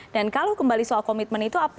dan kalau kembali soal komitmen itu artinya apa